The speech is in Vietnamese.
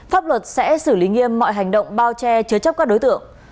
pháp luật sẽ xử lý nghiêm mọi hành động bao che chứa chấp các đối tượng